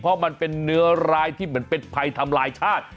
เพราะมันเป็นเนื้อร้ายที่เหมือนเป็นภัยทำลายชาติ